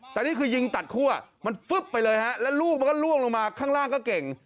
แต่นี่คือยิงตัดคั่วมันฟึ๊บไปเลยฮะแล้วลูกมันก็ล่วงลงมาข้างล่างก็เก่ง